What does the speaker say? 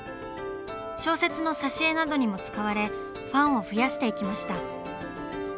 小説の挿絵などにも使われファンを増やしていきました。